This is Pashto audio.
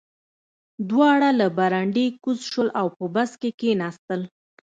دواړه له برنډې کوز شول او په بس کې کېناستل